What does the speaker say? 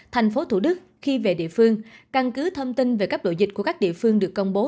thành phố thủ đức khi về địa phương căn cứ thông tin về cấp độ dịch của các địa phương được công bố